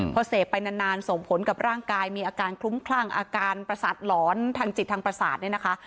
พอเสพไปนานส่งผลกับร่างกายมีอาการคลุ้มคลั่งอาการประสาทหลอนทางจิตทางประสาทเนี่ยนะคะ